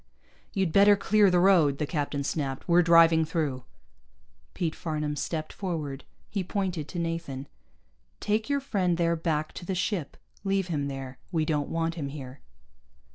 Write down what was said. "You'd better clear the road," the captain snapped. "We're driving through." Pete Farnam stepped forward. He pointed to Nathan. "Take your friend there back to the ship. Leave him there. We don't want him here."